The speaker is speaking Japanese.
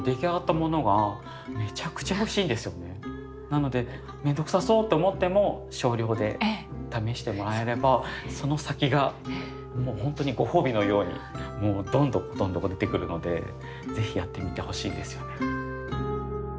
なので面倒くさそうって思っても少量で試してもらえればその先が本当にご褒美のようにもうどんどこどんどこ出てくるので是非やってみてほしいですよね。